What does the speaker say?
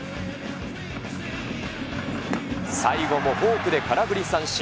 最後もフォークで空振り三振。